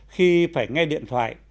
khi phải nghe điện thoại